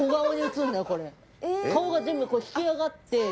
顔が全部引き上がって。